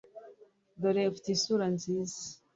dore ufite isura nziza,